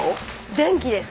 電気です！